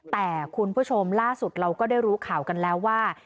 แต่คุณผู้ชมล่าสุดเราก็ได้รู้ข่าวกันแล้วว่า